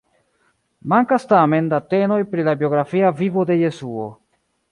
Mankas, tamen, datenoj pri la biografia vivo de Jesuo.